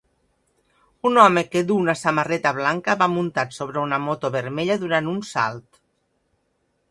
Un home que duu una samarreta blanca va muntat sobre una moto vermella durant un salt.